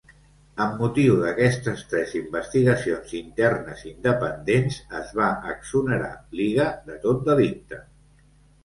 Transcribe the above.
Amb motiu d'aquestes tres investigacions internes independents, es va exonerar Lyga de tot delicte.